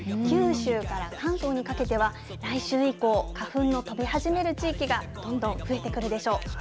九州から関東にかけては、来週以降、花粉の飛び始める地域がどんどん増えてくるでしょう。